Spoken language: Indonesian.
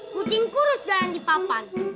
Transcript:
kucing kurus jalan di papan